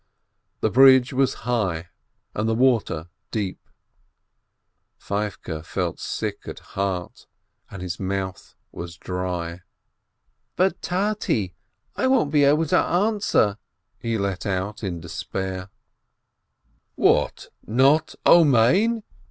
The bridge was high and the water deep ! Feivke felt sick at heart, and his mouth was dry. "But, Tate, I won't be able to answer," he let out in despair. COUNTRY FOLK 551 "What, not Amen?